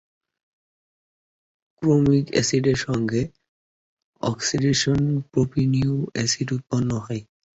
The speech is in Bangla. ক্রোমিক এসিডের সঙ্গে অক্সিডেশন প্রপিওনিক এসিড উৎপন্ন করে।